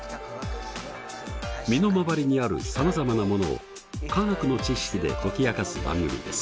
身の回りにあるさまざまなものを化学の知識で解き明かす番組です。